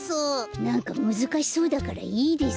なんかむずかしそうだからいいです。